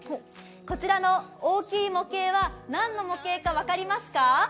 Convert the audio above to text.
こちらの大きい模型は何の模型か分かりますか？